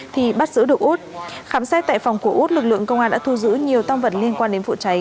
thì bắt giữ được út khám xét tại phòng của út lực lượng công an đã thu giữ nhiều tăng vật liên quan đến vụ cháy